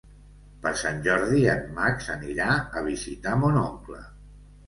Per Sant Jordi en Max anirà a visitar mon oncle.